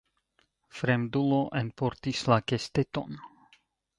Fremdulo enportis la kesteton.